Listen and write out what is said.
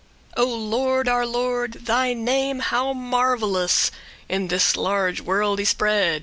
<1> O Lord our Lord! thy name how marvellous Is in this large world y spread!